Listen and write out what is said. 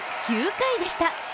９回でした。